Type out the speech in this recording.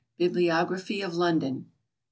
Bibliography of London. No.